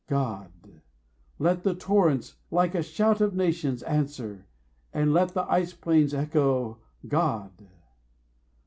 GOD! let the torrents, like a shout of nations, Answer! and let the ice plains echo, GOD!